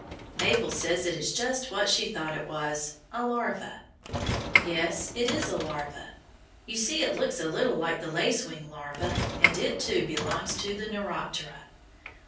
Mabel says it is just what she thought it was a larva. Yes, it is a larva. You see it looks a little like the lacewing larva, and it, too, belongs to the Neuroptera.